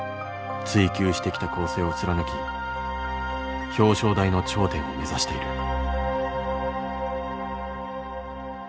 追求してきた構成を貫き表彰台の頂点を目指している。